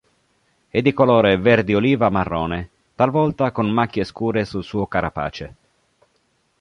È di colore verde oliva-marrone, talvolta con macchie scure sul suo carapace.